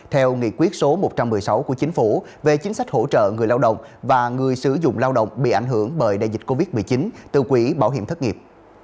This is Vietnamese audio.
theo nghị quyết số một trăm một mươi sáu của chính phủ về chính sách hỗ trợ người lao động và người sử dụng lao động bị ảnh hưởng bởi đại dịch covid một mươi chín từ quỹ bảo hiểm thất nghiệp